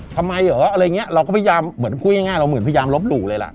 ทำไมเหรออะไรอย่างเงี้ยเราก็พยายามเหมือนพูดง่ายเราเหมือนพยายามลบหลู่เลยล่ะ